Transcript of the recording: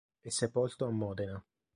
È sepolto a Modena.